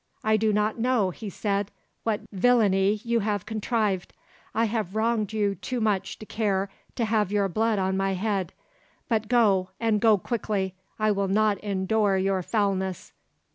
"I do not know," he said, "what villainy you have contrived. I have wronged you too much to care to have your blood on my head; but go, and go quickly; I will not endure your foulness.